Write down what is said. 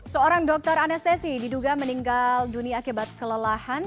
seorang dokter anestesi diduga meninggal dunia akibat kelelahan